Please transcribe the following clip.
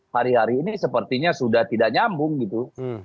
hari hari ini sepertinya sudah tidak nyambung gitu